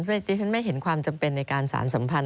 คือดิฉันไม่เห็นความจำเป็นในการสารสัมพันธ